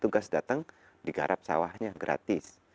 tugas datang di garap sawahnya gratis